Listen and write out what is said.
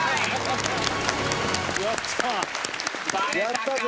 やったー！